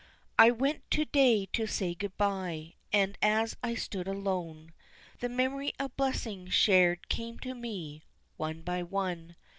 I went to day to say good bye, and as I stood alone, The memory of blessings shared came to me, one by one.